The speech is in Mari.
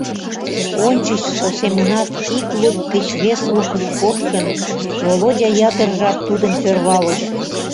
Ончычсо семынак ик лук гыч вес лукыш коштын, Володя ятыр жап тудым сӧрвалыш.